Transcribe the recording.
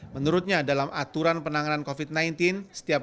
menurutnya dalam aturan penanganan covid sembilan belas setiap